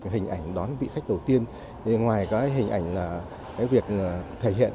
hình ảnh đón vị khách đầu tiên ngoài cái hình ảnh là cái việc thể hiện